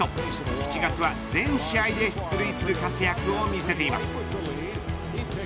７月は全試合で出塁する活躍を見せています。